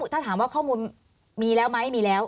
ถ้าถามว่าข้อมูลมีแล้วไหมมีแล้ว